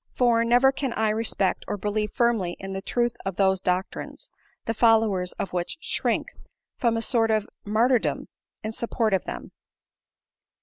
For, never can I respect or believe firmly in the truth of those doctrines, the followers of which shrink from a sort of martyrdom in support of them."